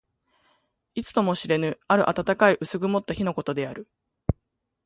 いつとも知れぬ、ある暖かい薄曇った日のことである。